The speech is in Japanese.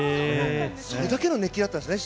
それだけの熱気があったんですね。